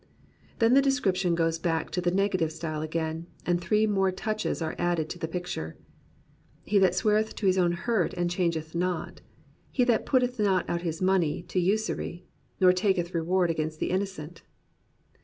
Then the description goes back to the negative style again and three more touches are added to the picture: He that sweareth to his own hurt and changeth not. He that putteth not out his money to usury. Nor taketh reward against the innocent.